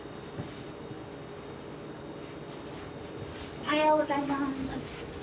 おはようございます。